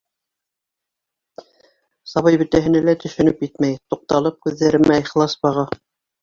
Сабый бөтәһенә лә төшөнөп етмәй, туҡталып, күҙҙәремә ихлас баға.